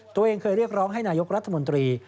ตัวเองเคยเรียกร้องให้นายกรัฐมนตรี